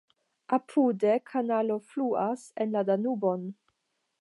Apude kanalo fluas en la Danubon.